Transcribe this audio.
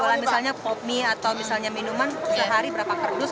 kalau misalnya kopi atau misalnya minuman sehari berapa kerdus